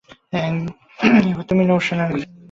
এবার তুমি নৌ-সেনার একজন সদস্য।